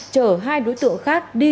chở hai đối tượng khác đi